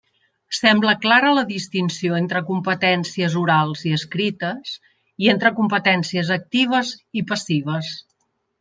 Sembla clara la distinció entre competències orals i escrites i entre competències actives i passives.